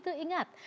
dan begitu ingat